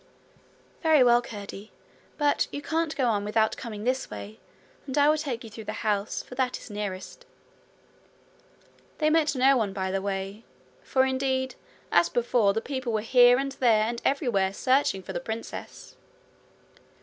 'Very well, Curdie; but you can't get out without coming this way, and I will take you through the house, for that is nearest.' They met no one by the way, for, indeed, as before, the people were here and there and everywhere searching for the princess.